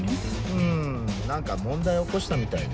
うん何か問題を起こしたみたいで。